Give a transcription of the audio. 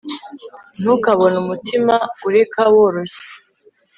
ntukabone umutima ureka woroshye